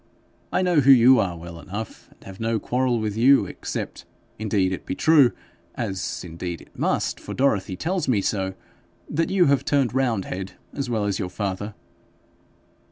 I know who you are well enough, and have no quarrel with you, except indeed it be true as indeed it must, for Dorothy tells me so that you have turned roundhead as well as your father.'